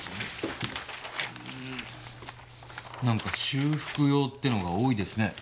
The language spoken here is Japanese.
なんか修復用っていうのが多いですね。